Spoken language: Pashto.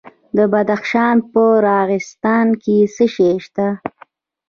د بدخشان په راغستان کې څه شی شته؟